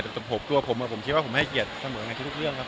แต่ตัวผมผมคิดว่าผมให้เกียรติเสมอในทุกเรื่องครับ